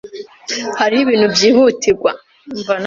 Hariho ibintu byihutirwa.